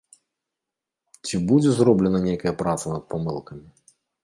Ці будзе зроблена нейкая праца над памылкамі?